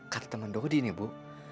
kata teman dohudi nih bu